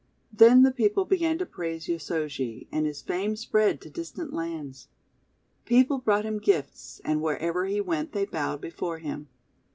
Then the people began to praise Yosoji, and his fame spread to distant lands. People brought him gifts, and wherever he went they bowed before him.